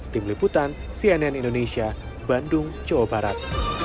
tim liputan cnn indonesia bandung jawa barat